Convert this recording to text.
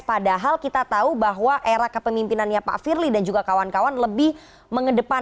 padahal kita tahu bahwa era kepemimpinannya pak firly dan juga kawan kawan lebih mengedepankan